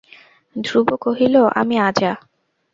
ধ্রুব কহিল, আমি আজা।